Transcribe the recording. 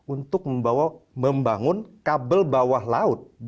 untuk membawa membangun kabel bawah laut